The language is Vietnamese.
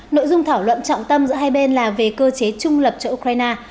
nội dung thảo luận trọng tâm giữa hai bên là về cơ chế trung lập cho ukraine